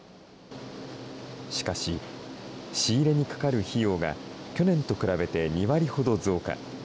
しかし、仕入れにかかる費用が去年と比べて２割ほど増加。